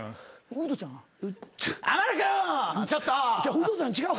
ウドちゃん違う。